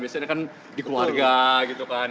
biasanya kan di keluarga gitu kan